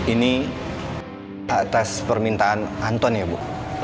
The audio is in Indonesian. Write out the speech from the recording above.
ini atas permintaan anton ya bu